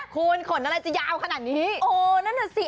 คุณขนอะไรจะยาวขนาดนี้